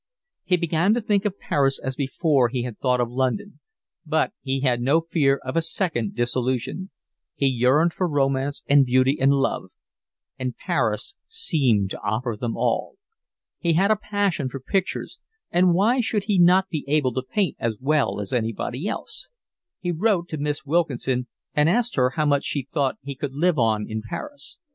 He began to think of Paris as before he had thought of London, but he had no fear of a second disillusion; he yearned for romance and beauty and love, and Paris seemed to offer them all. He had a passion for pictures, and why should he not be able to paint as well as anybody else? He wrote to Miss Wilkinson and asked her how much she thought he could live on in Paris.